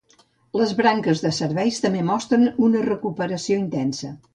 Les branques de serveis també mostren una recuperació intensa.